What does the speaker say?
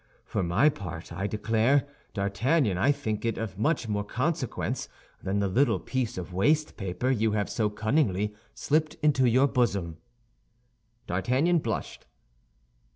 For my part, I declare, D'Artagnan, I think it of much more consequence than the little piece of waste paper you have so cunningly slipped into your bosom." D'Artagnan blushed.